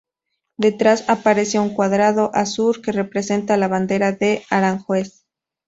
Detrás, aparece un cuadrado azur que representa la Bandera de Aranjuez.